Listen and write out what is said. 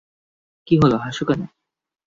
কি হল হাসো কেন?